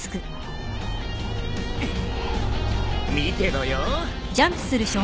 見てろよ。